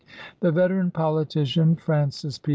The veteran politician, Francis P.